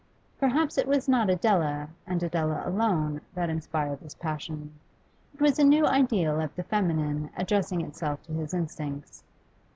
Perhaps it was not Adela, and Adela alone, that inspired this passion; it was a new ideal of the feminine addressing itself to his instincts.